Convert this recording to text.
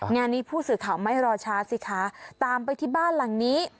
งานนี้ผู้สื่อข่าวไม่รอช้าสิคะตามไปที่บ้านหลังนี้